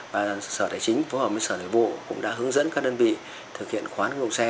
và sở tài chính phối hợp với sở thể vụ cũng đã hướng dẫn các đơn vị thực hiện khoán kinh phí xe